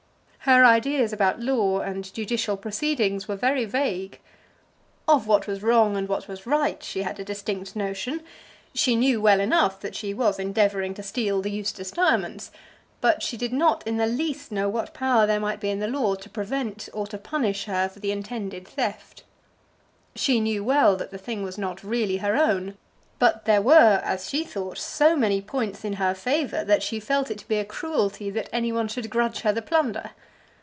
Her ideas about law and judicial proceedings were very vague. Of what was wrong and what was right she had a distinct notion. She knew well enough that she was endeavouring to steal the Eustace diamonds; but she did not in the least know what power there might be in the law to prevent, or to punish her for the intended theft. She knew well that the thing was not really her own; but there were, as she thought, so many points in her favour, that she felt it to be a cruelty that any one should grudge her the plunder.